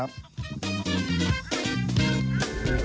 โอ้โห